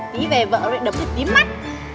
tí về vợ rồi đập thật tím mắt